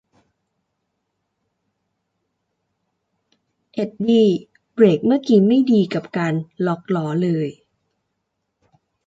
เอ็ดดี้เบรกเมื่อกี๊ไม่ดีกับการล็อคล้อเลย